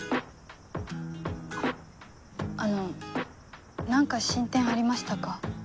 あの何か進展ありましたか？